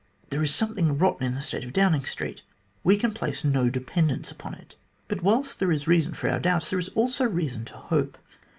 There is something rotten in the state of Downing Street. We can place no dependence upon it. "But whilst there is reason for our doubts, there is also good reason to hope.